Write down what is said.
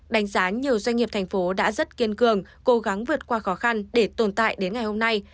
đánh giá nhiều doanh nghiệp thành phố đã rất kiên cường cố gắng vượt qua khó khăn để tồn tại đến ngày hôm nay